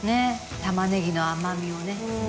玉ねぎの甘みをね。